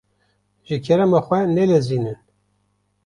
Ji kerema xwe nelezînin.